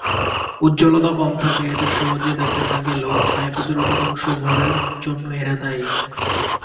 উজ্জ্বলতা কম থাকায় এদের সহজে দেখা না গেলেও ছায়াপথের অধিকাংশ ভরের জন্যই এরা দায়ী।